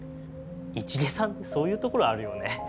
市毛さんってそういうところあるよね。